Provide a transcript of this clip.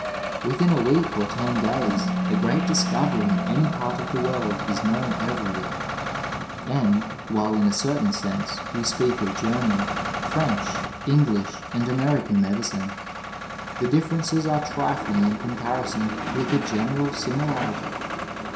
Within a week or ten days a great discovery in any part of the world is known everywhere, and, while in a certain sense we speak of German, French, English, and American medicine, the differences are trifling in comparison with the general simi larity.